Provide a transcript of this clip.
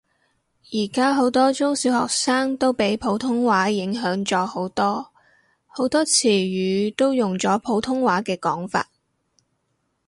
而家好多中小學生都俾普通話影響咗好多，好多詞語都用咗普通話嘅講法